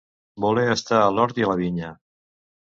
Voler estar a l'hort i a la vinya.